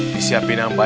disiapin yang baik